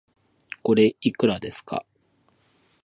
これ、いくらですか